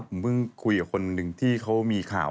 ผมเพิ่งคุยกับคนหนึ่งที่เขามีข่าว